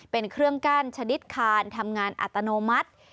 เป็นเครื่องกั้นชนิดคานทำงานอัตโนมัติ